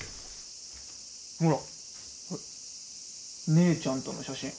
姉ちゃんとの写真。